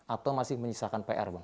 atau masih menyisakan pr bang